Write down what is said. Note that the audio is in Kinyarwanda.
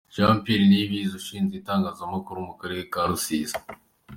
Jean Pierre Niyibizi ushinzwe Itangazamakuru mu Karere ka Rusizi .